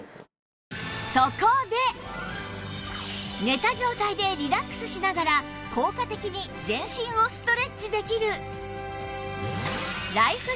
寝た状態でリラックスしながら効果的に全身をストレッチできる